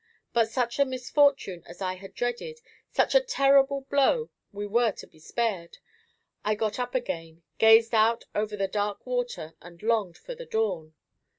But such a misfortune as I had dreaded, such a terrible blow, we were to be spared. I got up again, gazed out over the dark water and longed for the dawn.